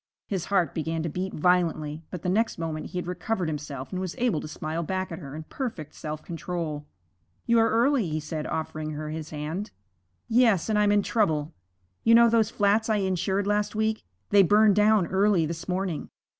His heart began to beat violently, but the next moment he had recovered himself and was able to smile back at her in perfect self control. 'You are early,' he said, offering her his hand. 'Yes, and I'm in trouble. You know those flats I insured last week they burned down early this morning.